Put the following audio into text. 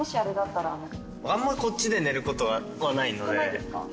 あんまこっちで寝ることはないので。